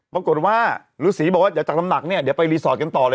ปรากฏว่าฤษีบอกว่าอยากจัดตำหนักเนี้ยเดี๋ยวไปรีสอร์ทกันต่อเลย